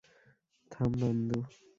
থাম, নান্দু!